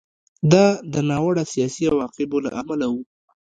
دا د ناوړه سیاسي عواقبو له امله و